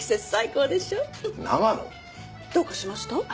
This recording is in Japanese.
どうかしました？